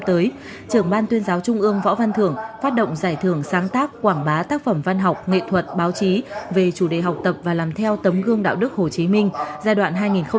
phát biểu tại buổi lễ trưởng ban tuyên giáo trung ương võ văn thưởng phát động giải thưởng sáng tác quảng bá tác phẩm văn học nghệ thuật báo chí về chủ đề học tập và làm theo tấm gương đạo đức hồ chí minh giai đoạn hai nghìn hai mươi hai nghìn hai mươi năm